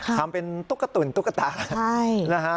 ทำเป็นตุ๊กตุ๋นตุ๊กตานะฮะ